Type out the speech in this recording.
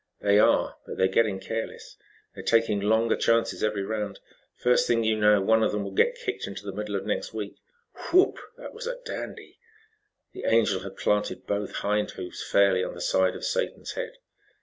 "They are, but they're getting careless. They're taking longer chances every round. First thing you know, one of them will get kicked into the middle of next week. Whoop! That was a dandy!" The Angel had planted both hind hoofs fairly on the side of Satan's head.